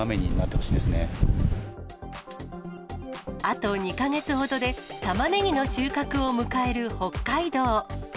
あと２か月ほどでたまねぎの収穫を迎える北海道。